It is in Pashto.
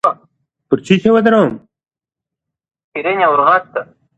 دوی د جنګ جګړو له امله خنډونه نه پریږدي.